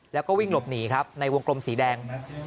แล้วก็วิ่งหลบหนีครับในวงกลมสีแดง